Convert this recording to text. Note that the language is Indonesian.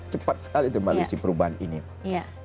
cepat sekali terbalik perubahan ini iya